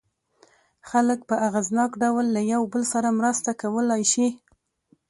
خلک په اغېزناک ډول له یو بل سره مرسته کولای شي.